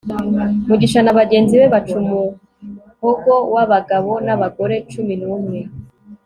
mugisha na bagenzi be baca umuhogo w'abagabo n'abagore cumi n'umwe